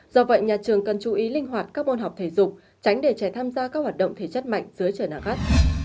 do vậy nhà trường cần chú ý linh hoạt các môn học thể dục tránh để trẻ tham gia các hoạt động thể chất mạnh dưới trời nắng gắt